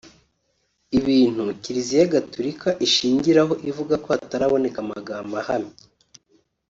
ibintu kiliziya gaturika ishingiraho ivuga ko hataraboneka amagambo ahamye